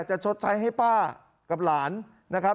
ชดใช้ให้ป้ากับหลานนะครับ